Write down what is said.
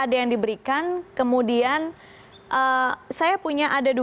dan dari joko widodo